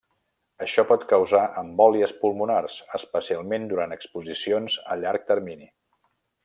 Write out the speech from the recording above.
Això pot causar embòlies pulmonars, especialment durant exposicions a llarg termini.